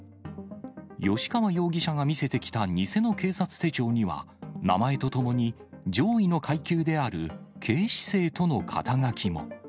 吉川容疑者が見せてきた偽の警察手帳には、名前とともに上位の階級である警視正との肩書も。